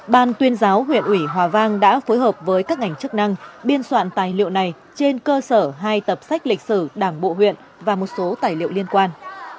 ban tuyên giáo huyện ủy hòa vang đã phối hợp với các ngành chức năng biên soạn tài liệu này trên cơ sở hai tập sách lịch sử đảng bộ huyện và một số tài liệu liên quan